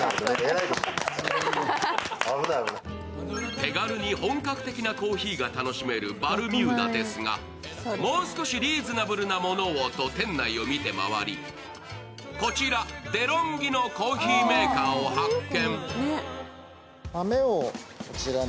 手軽に本格的なコーヒーが楽しめるバルミューダですがもう少しリーズナブルなものをと店内を見て回りこちら、デロンギのコーヒーメーカーを発見。